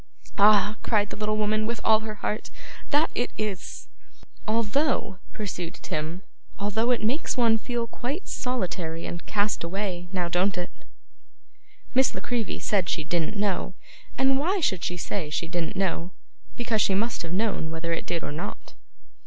'Ah!' cried the little woman with all her heart, 'that it is!' 'Although,' pursued Tim 'although it makes one feel quite solitary and cast away. Now don't it?' Miss La Creevy said she didn't know. And why should she say she didn't know? Because she must have known whether it did or not.